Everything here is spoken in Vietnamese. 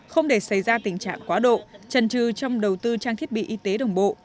không để xảy ra tình trạng quá độ trần trừ trong đầu tư trang thiết bị y tế đồng bộ